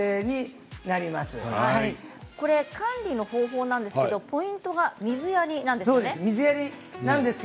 管理方法ですがポイントが水やりなんですね。